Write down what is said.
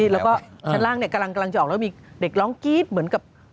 แล้วก็ชั้นล่างกำลังจะออกแล้วมีเด็กร้องกรี๊ดเหมือนกับ